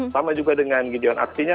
sama juga dengan gigion aksinya